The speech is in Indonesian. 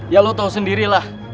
ya lo tau sendiri lah